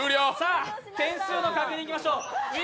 点数の確認いきましょう。